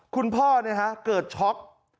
คุณพ่อเกิดช็อก